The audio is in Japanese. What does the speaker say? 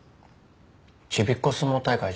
ちびっこ相撲大会じゃ？